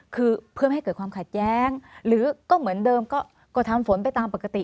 คือเพื่อไม่ให้เกิดความขัดแย้งหรือก็เหมือนเดิมก็ทำฝนไปตามปกติ